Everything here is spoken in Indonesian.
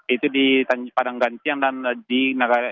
itu di padang gantian dan di tanjung ame